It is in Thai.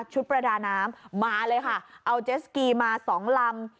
ประดาน้ำมาเลยค่ะเอาเจสกีมาสองลำ